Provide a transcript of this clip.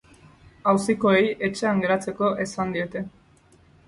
Auzikoei etxean geratzeko esan diete.